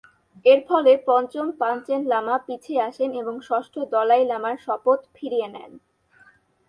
এর ফলে পঞ্চম পাঞ্চেন লামা পিছিয়ে আসেন এবং ষষ্ঠ দলাই লামার শপথ ফিরিয়ে নেন।